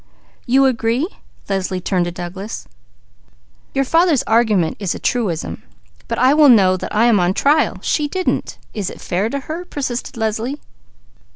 "You agree?" Leslie turned to Douglas. "Your father's argument is a truism." "But I will know that I am on trial. She didn't. Is it fair to her?" persisted Leslie.